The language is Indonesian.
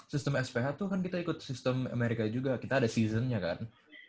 sistem sph tuh kan kita ikut sistem amerika juga kita ada seasonnya kan